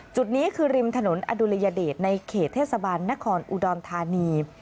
จุดนี้คือริมถนนอดุลยเดชในเขตเทศบาลนครอุดรธานี